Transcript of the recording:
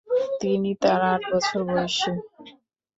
তিনি তার আট বছর বয়সী।